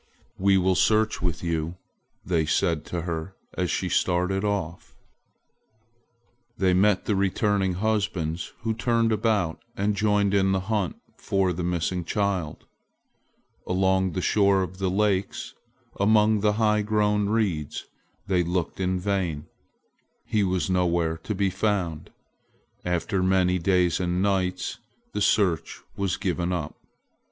"We will search with you," they said to her as she started off. They met the returning husbands, who turned about and joined in the hunt for the missing child. Along the shore of the lakes, among the high grown reeds, they looked in vain. He was nowhere to be found. After many days and nights the search was given up.